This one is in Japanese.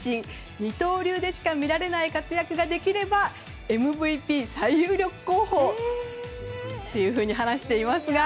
二刀流でしか見られない活躍ができればＭＶＰ最有力候補と話していますが。